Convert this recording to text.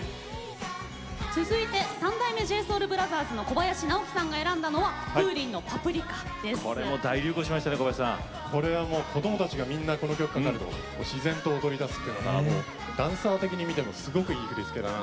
続いて三代目ＪＳＯＵＬＢＲＯＴＨＥＲＳの小林直己さんが選んだのはこれも大流行しましたね小林さん。これは子供たちがみんなこの曲かかると自然と踊りだすっていうのがダンサー的に見てもすごくいい振り付けだなと。